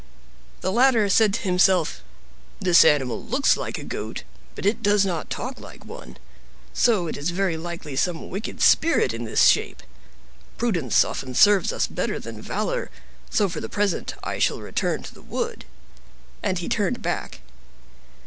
The latter said to himself, "This animal looks like a Goat, but it does not talk like one. So it is very likely some wicked spirit in this shape. Prudence often serves us better than valor, so for the present I shall return to the wood," and he turned back.